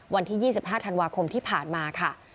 วันที่๒๕ธันวาคมที่ผ่านมาค่ะ